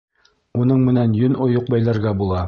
Уның менән йөн ойоҡ бәйләргә була.